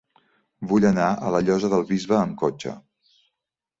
Vull anar a la Llosa del Bisbe amb cotxe.